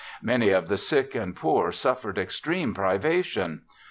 Many of the sick and poor suffered extreme privation.